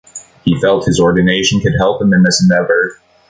He felt his ordination could help him in this endeavor.